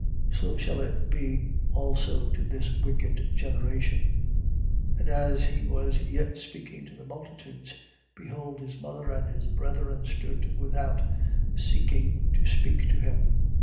So shall it be also to this wicked generation. 12:46. As he was yet speaking to the multitudes, behold his mother and his brethren stood without, seeking to speak to him.